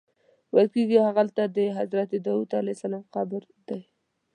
ویل کېږي همغلته د حضرت داود علیه السلام قبر دی.